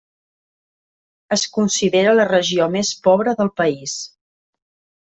Es considera la regió més pobra del país.